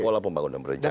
pola pembangunan berencana